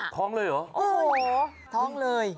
ท้องเลยเหรอโอ้โหท้องเลย